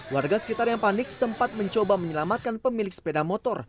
warga sekitar yang panik sempat mencoba menyelamatkan pemilik sepeda motor